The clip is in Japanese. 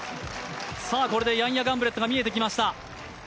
これでヤンヤ・ガンブレットが見えてきました。